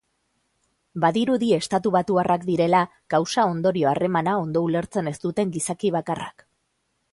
Badirudi estatubatuarrak direla kausa-ondorio harremana ondo ulertzen ez duten gizaki bakarrak.